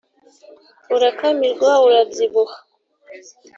urakamirwa urabyibuha